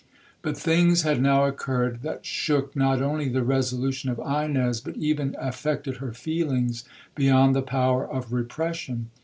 But things had now occurred that shook not only the resolution of Ines, but even affected her feelings beyond the power of repression.